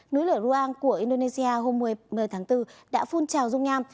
núi lửa ruang của indonesia hôm một mươi tháng bốn đã phun trào dung nham